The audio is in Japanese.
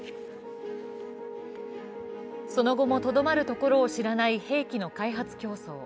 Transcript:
その後もとどまるところを知らない兵器の開発競争。